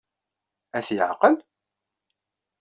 Ad t-teqbel?